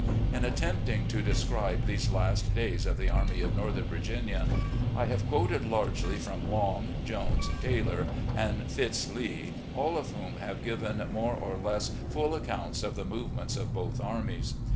In attempting to describe these last days of the Army of Northern Virginia, I have quoted largely from Long, Jones, Taylor, and Fitz Lee, all of whom have given more or less full accounts of the movements of both armies.